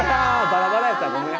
バラバラやった、ごめん。